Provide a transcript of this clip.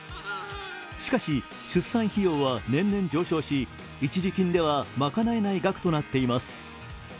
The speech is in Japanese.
しかし、出産費用は年々上昇し、一時金では賄えない額となっています。